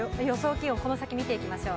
気温、この先見ていきましょう。